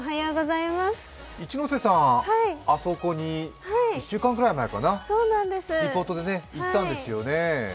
一ノ瀬さん、あそこに１週間くらい前かなリポートで行ったんですよね。